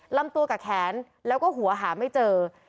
ลำตัวกับแขนแล้วก็หัวหาไม่เจอ